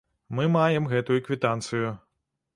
Мы маем гэтую квітанцыю.